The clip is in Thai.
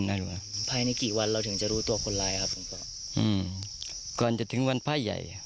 ภายในกี่วันเราถึงจะรู้ตัวคนร้ายครับผมก็อืมก่อนจะถึงวันป้ายใหญ่